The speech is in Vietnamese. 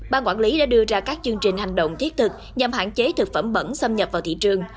ban quản lý đã đưa ra các chương trình hành động thiết thực nhằm hạn chế thực phẩm bẩn xâm nhập vào thị trường